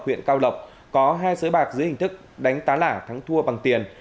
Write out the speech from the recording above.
huyện cao lộc có hai sới bạc dưới hình thức đánh tá thắng thua bằng tiền